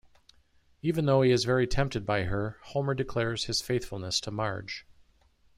Even though he is very tempted by her, Homer declares his faithfulness to Marge.